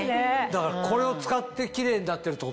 だからこれを使ってキレイになってるってことだ。